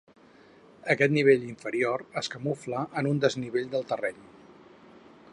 Aquest nivell inferior es camufla en un desnivell del terreny.